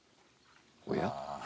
おや？